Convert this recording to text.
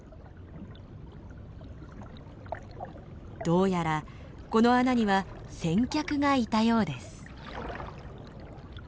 どうやらこの穴には先客がいたようです。